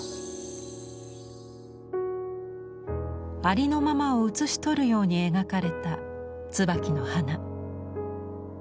ありのままを写し取るように描かれた椿の花。